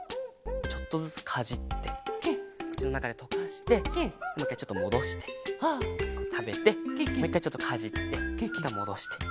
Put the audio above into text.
ちょっとずつかじってくちのなかでとかしてもういっかいちょっともどしてたべてもういっかいちょっとかじってまたもどして。